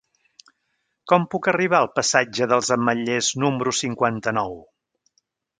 Com puc arribar al passatge dels Ametllers número cinquanta-nou?